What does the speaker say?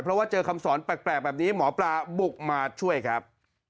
เพราะว่าเจอคำสอนแปลกแบบนี้หมอปลาบุกมาช่วยครับ